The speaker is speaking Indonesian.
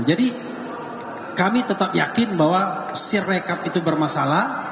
jadi kami tetap yakin bahwa sirekap itu bermasalah